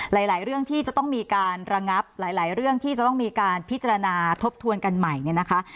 หลายเรื่องที่จะต้องมีการระงับหลายเรื่องที่จะต้องมีการพิจารณาทบทวนกันใหม่เนี่ยนะคะ